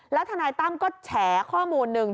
แล้วทนายตั้มก็แฉข้อมูลหนึ่ง